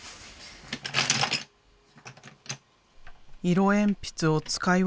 色鉛筆を使い分け